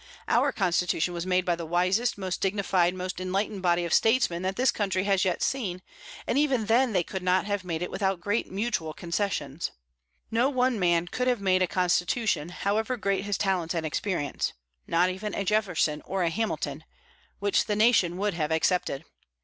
Our constitution was made by the wisest, most dignified, most enlightened body of statesmen that this country has yet seen, and even they could not have made it without great mutual concessions. No one man could have made a constitution, however great his talents and experience, not even a Jefferson or a Hamilton, which the nation would have accepted.